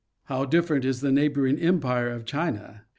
How different is the neighboring empire of China.